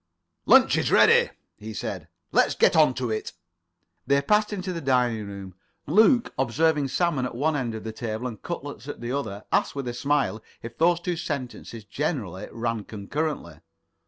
"Lunch is ready," he said, "let's get on to it." They passed into the dining room. Luke observing salmon at one end of the table, and cutlets at the other, asked, with a smile, if those two sentences generally ran concurrently.